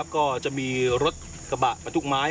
ก็จะมีรถกระบะบรรทุกไม้